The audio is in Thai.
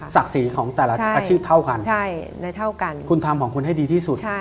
ศักดีศักดิ์ศรีของคุณให้ดีที่สุด